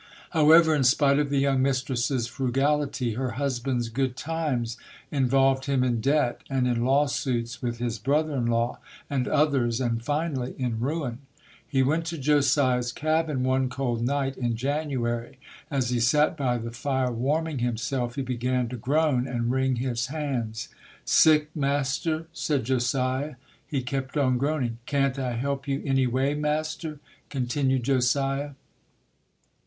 However, in spite of the young mistress's frugal ity, her husband's good times involved him in debt and in lawsuits with his brother in law and others, and finally in ruin. He went to Josiah's cabin one cold night in January. As he sat by the fire warming himself, he began to groan and wring his hands. "Sick, master?" said Josiah. He kept on groan JOSIAH HENSON [ 197 ing. "Can't I help you any way, master?" con tinued Josiah.